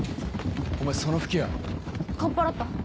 お前その吹き矢。かっぱらった。